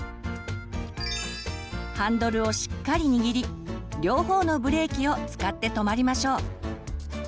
ハンドルをしっかり握り両方のブレーキを使って止まりましょう。